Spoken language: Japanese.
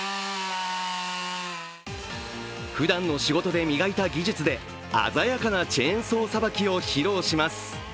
ふだんの仕事で磨いた技術で鮮やかなチェーンソーさばきを披露します。